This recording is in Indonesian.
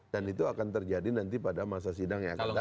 dan itu akan terjadi nanti pada masa sidang yang akan datang